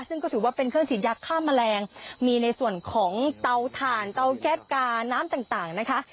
ซึ่งก็ถือว่าเป็นเครื่องฉีดยาฆ่าแมลงมีในส่วนของเตาถ่านเตาแก๊สกาน้ำต่างต่างนะคะ